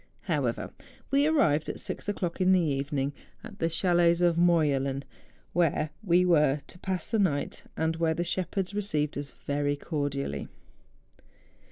However, we arrived at six o'clock in the evening at the chalets of Morjelen, where we were to pass the night and where the shepherds received us very cordially.